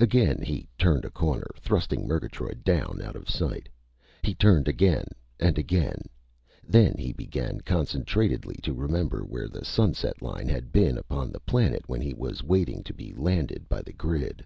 Again he turned a corner, thrusting Murgatroyd down out of sight. He turned again, and again.... Then he began concentratedly to remember where the sunset line had been upon the planet when he was waiting to be landed by the grid.